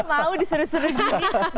mau disuruh suruh gini